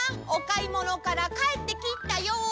おかいものからかえってきたよ！